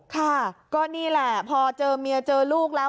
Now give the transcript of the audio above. ค่ะก็นี่แหละพอเจอเมียเจอลูกแล้ว